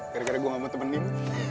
gara gara gue gak mau temenin